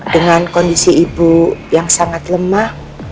dengan kondisi ibu yang sangat lemah